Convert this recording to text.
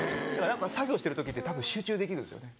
作業してる時ってたぶん集中できるんですよね。